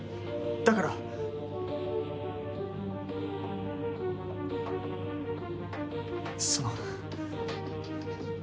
だから、その。